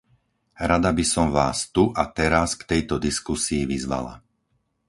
Rada by som Vás tu a teraz k tejto diskusii vyzvala.